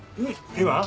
今？